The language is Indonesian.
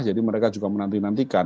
jadi mereka juga menantikan